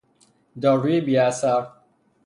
داروی بیاثر